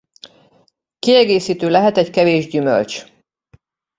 Kiegészítő lehet egy kevés gyümölcs.